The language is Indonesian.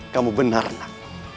kamu benar nenek